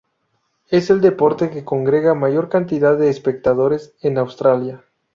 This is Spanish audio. Es el deporte que congrega mayor cantidad de espectadores en Australia.